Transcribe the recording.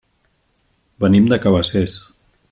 Venim de Cabacés.